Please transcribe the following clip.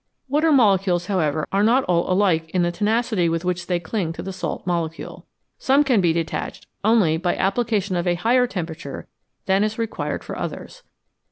Water molecules, however, are not all alike in the tenacity with which they cling to the salt molecule. Some can be detached only by the application of a higher temperature than is required for others.